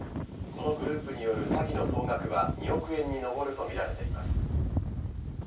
このグループによる詐欺の総額は２億円に上るとみられています。